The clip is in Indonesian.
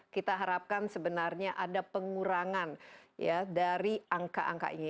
kita harapkan sebenarnya ada pengurangan dari angka angka ini